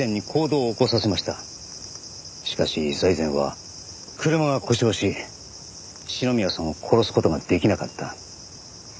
しかし財前は車が故障し篠宮さんを殺す事ができなかった。